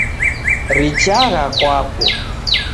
Richagha kwapo